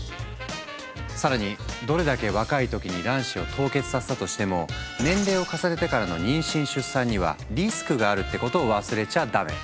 更にどれだけ若い時に卵子を凍結させたとしても年齢を重ねてからの妊娠出産にはリスクがあるってことを忘れちゃダメ！